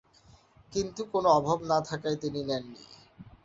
কিন্তু কোন অভাব না থাকায় তিনি নেননি।